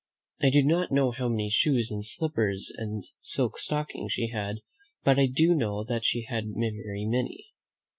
I do not know how many shoes and slippers and silk stockings she had, but I do know that she had very many.